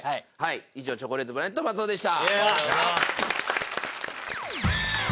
以上チョコレートプラネット・松尾でした。